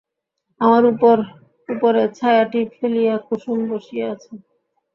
আমার উপরে ছায়াটি ফেলিয়া কুসুম বসিয়া আছে।